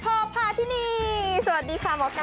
สวัสดีค่ะหมอกัยค่ะสวัสดีค่ะหมอกัยค่ะสวัสดีค่ะหมอกัยค่ะ